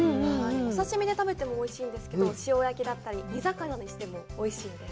お刺身で食べてもおいしいんですけど、塩焼きだったり、煮魚にしてもおいしいんです。